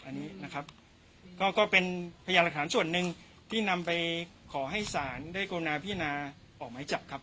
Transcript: อันนี้นะครับก็เป็นพยานหลักฐานส่วนหนึ่งที่นำไปขอให้ศาลได้กรุณาพินาออกหมายจับครับ